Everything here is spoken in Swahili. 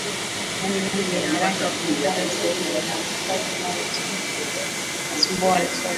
Maji mengi yenye rangi kwenye moyo sehemu inayohifadhi moyo na tumboni